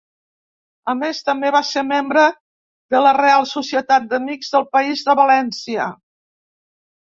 A més, també va ser membre de la Reial Societat d'Amics del País de València.